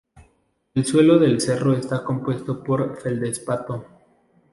El suelo del cerro está compuesto por feldespato.